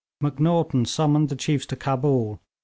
Macnaghten summoned the chiefs to Cabul.